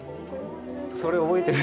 それ覚えてる！